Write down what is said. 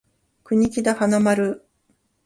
国木田花丸